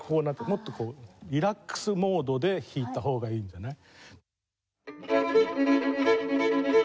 もっとこうリラックスモードで弾いた方がいいんじゃない？